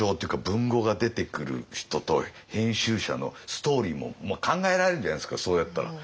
文豪が出てくる人と編集者のストーリーも考えられるじゃないですかそうやったら。